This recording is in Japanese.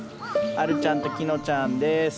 あるちゃんときのちゃんです。